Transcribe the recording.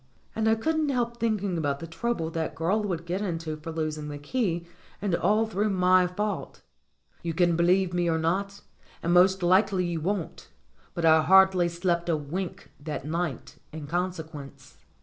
And I couldn't help thinking about the trouble that girl would get into for losing the key, and all through my fault. You can believe me or not and most likely you won't but I hardly slept a wink that night in consequence.